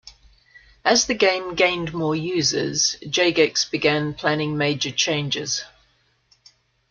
As the game gained more users, Jagex began planning major changes.